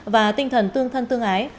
và tinh thần tương thân tương ái